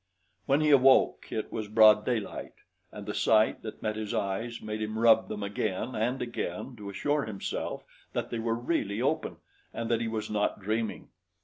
When he awoke, it was broad daylight, and the sight that met his eyes made him rub them again and again to assure himself that they were really open and that he was not dreaming.